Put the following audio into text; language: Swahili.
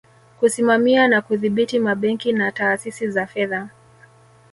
Kusimamia na kudhibiti mabenki na taasisi za fedha